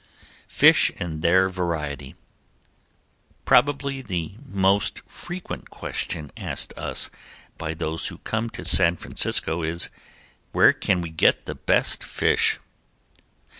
Fish in Their Variety Probably the most frequent question asked us by those who come to San Francisco is: "Where can we get the best fish?"